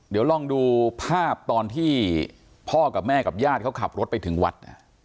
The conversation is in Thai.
เดี๋ยวลองดูภาพตอนที่พ่อกับแม่กับญาติเขาขับรถไปถึงวัด